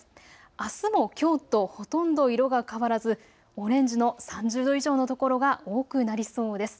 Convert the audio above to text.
あすもきょうとほとんど色が変わらずオレンジの３０度以上の所が多くなりそうです。